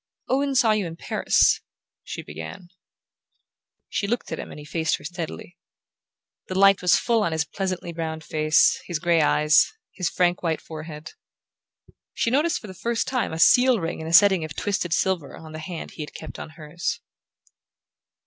"Owen saw you in Paris," she began. She looked at him and he faced her steadily. The light was full on his pleasantly browned face, his grey eyes, his frank white forehead. She noticed for the first time a seal ring in a setting of twisted silver on the hand he had kept on hers.